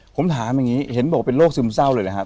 ผมถามอย่างนี้เห็นบอกว่าเป็นโรคซึมเศร้าเลยนะครับ